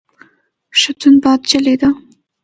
ښه تند باد چلیده.